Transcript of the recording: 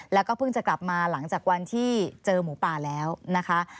แล้วก็เพิ่งจะกลับมาหลังจากวันที่เจอหมูป่าแล้วนะคะ